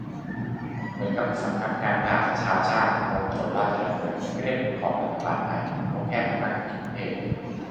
เหมือนกับสำนักงานสหประชาชาติ ตรงถนนราชดำเนิน ไม่ได้เป็นของรัฐบาลไทย เขาแค่มาตั้งที่กรุงเทพ